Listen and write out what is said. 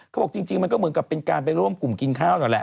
เขาบอกจริงมันก็เหมือนกับเป็นการไปร่วมกลุ่มกินข้าวนั่นแหละ